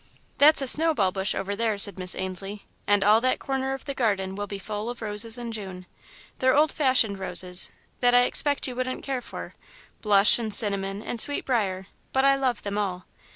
"That's a snowball bush over there," said Miss Ainslie, "and all that corner of the garden will be full of roses in June. They're old fashioned roses, that I expect you wouldn't care for blush and cinnamon and sweet briar but I love them all.